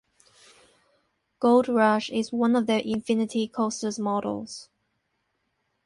Gold Rush is one of their Infinity Coaster models.